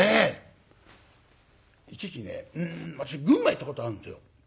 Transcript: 一時ね私群馬行ったことあるんですよ。